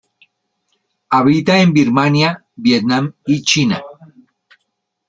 Habita en Birmania, Vietnam y China.